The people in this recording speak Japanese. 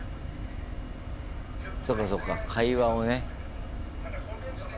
そうかそうか会話をね。